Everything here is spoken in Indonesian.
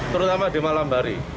terutama di malam hari